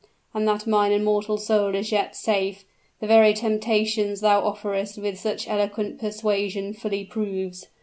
And that mine immortal soul is yet safe, the very temptations thou offerest with such eloquent persuasion fully proves!